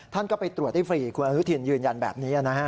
ท่านก็ไปตรวจได้ฟรีคุณอนุทินยืนยันแบบนี้นะฮะ